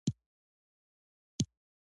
دا مېوه د بدن سوځیدنه کنټرولوي.